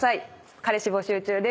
彼氏募集中です。